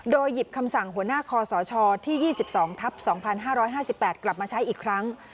โดยหยิบคำสั่งหัวหน้าคอสชที่๒๒ทับ๒๕๕๘กลับมาใช้อีกครั้ง